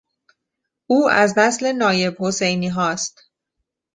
او از نسل نایب حسینیهاست.